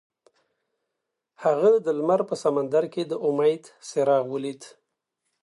هغه د لمر په سمندر کې د امید څراغ ولید.